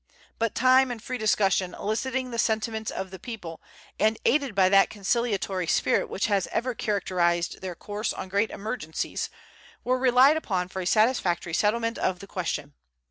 But time and free discussion, eliciting the sentiments of the people, and aided by that conciliatory spirit which has ever characterized their course on great emergencies, were relied upon for a satisfactory settlement of the question.